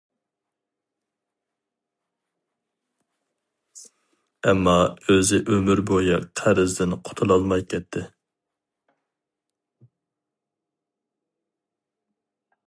ئەمما ئۆزى ئۆمۈر بويى قەرزدىن قۇتۇلالماي كەتتى.